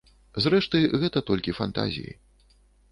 Зрэшты, гэта толькі фантазіі.